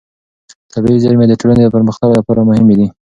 طبیعي زېرمې د ټولنې د پرمختګ لپاره مهمې دي.